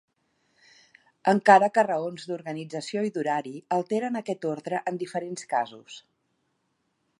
Encara que raons d'organització i d'horari alteren aquest ordre en diferents casos.